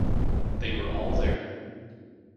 They were all there.